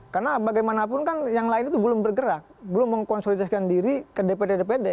karena bagaimanapun kan yang lain itu belum bergerak belum mengkonsolidasikan diri ke dpd dpd